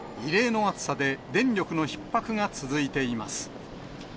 異例の暑さで、電力のひっ迫が続いています。